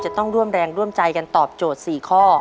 จะต้องร่วมแรงร่วมใจกันตอบโจทย์๔ข้อ